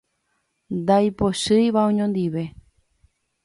Ndaipochýiva oñondive.